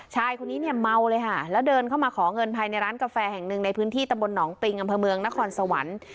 ชายคนนี้เนี่ยเมาเลยค่ะแล้วเดินเข้ามาขอเงินภายในร้านกาแฟแห่งหนึ่งในพื้นที่ตำบลหนองปิงอำเภอเมืองนครสวรรค์